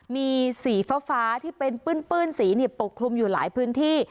มีสีฟ้าที่เป็นปื้นสีปกคลุมอยู่หลายพื้นที่